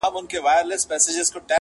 په عام محضر کي -